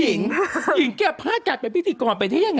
ใช่ค่ะค่ะค่ะพี่นี้นี่หนึ่ง